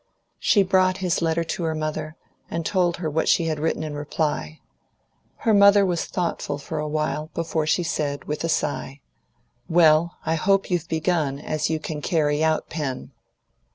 She brought his letter to her mother, and told her what she had written in reply. Her mother was thoughtful a while before she said, with a sigh, "Well, I hope you've begun as you can carry out, Pen."